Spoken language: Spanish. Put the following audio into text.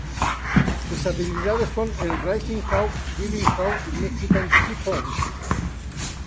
Sus habilidades son el: "Rising Hawk", "Diving Hawk", "Mexican Typhoon".